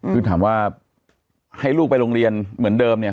คือถามว่าให้ลูกไปโรงเรียนเหมือนเดิมเนี่ย